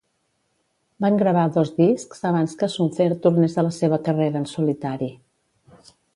Van gravar dos discs abans que Souther tornés a la seva carrera en solitari.